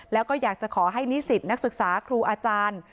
แล้วก็อยากจะขอให้นิสิตนักศึกษาครูอาจารย์